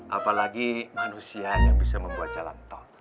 apalagi manusia yang bisa membuat jalan tol